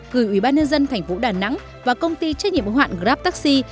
gửi ủy ban nhân dân thành phố đà nẵng và công ty trách nhiệm hoạn grabtaxi